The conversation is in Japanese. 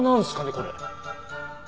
これ。